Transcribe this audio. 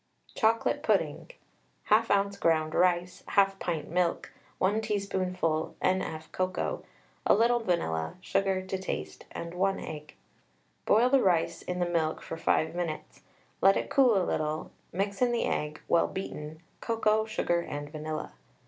CHOCOLATE PUDDING. 1/2 oz. ground rice, 1/2 pint milk, 1 teaspoonful N.F. cocoa, a little vanilla, sugar to taste, and 1 egg. Boil the rice in the milk for 5 minutes, let it cool a little, mix in the egg, well beaten, cocoa, sugar, and vanilla.